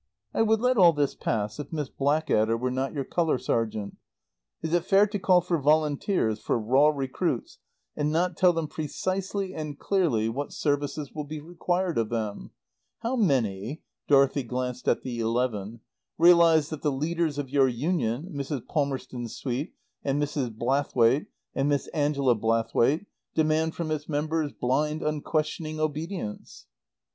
"I would let all this pass if Miss Blackadder were not your colour sergeant. Is it fair to call for volunteers, for raw recruits, and not tell them precisely and clearly what services will be required of them? How many" (Dorothy glanced at the eleven) "realize that the leaders of your Union, Mrs. Palmerston Swete, and Mrs. Blathwaite, and Miss Angela Blathwaite, demand from its members blind, unquestioning obedience?"